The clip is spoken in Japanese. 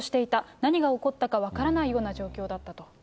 何が起こったか分からないような状況だったと。